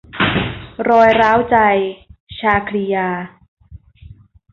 รอยร้าวใจ - ชาครียา